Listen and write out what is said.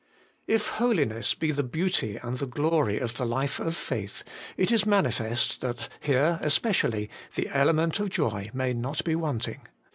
If holiness be the beauty and the glory of the life of faith, it is manifest that here especially the element of joy may not be wanting.